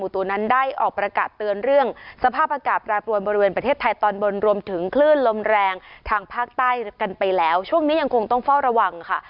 ทางภาคใต้กันไปแล้วช่วงนี้ยังคงต้องเฝ้าระวังค่ะ